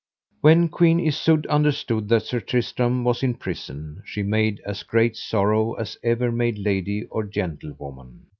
When Queen Isoud understood that Sir Tristram was in prison she made as great sorrow as ever made lady or gentlewoman.